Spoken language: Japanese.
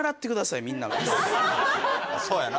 そうやな。